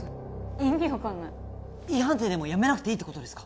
意味分かんないＥ判定でもやめなくていいってことですか？